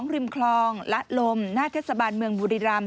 ริมคลองละลมหน้าเทศบาลเมืองบุรีรำ